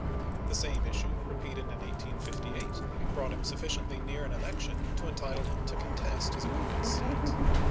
The same issue repeated in 1858 brought him suffi ciently near an election to entitle him to contest his opponent's seat.